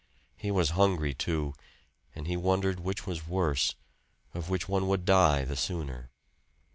He was hungry, too, and he wondered which was worse, of which one would die the sooner.